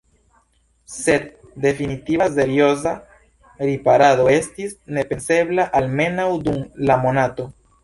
Sed definitiva, serioza riparado estis nepensebla, almenaŭ dum la monato.